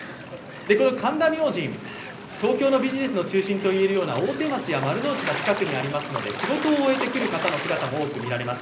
この神田明神、東京のビジネスの中心といわれるような大手町や丸の内が近くにありますので仕事を終えてくる方の姿も多く見られます。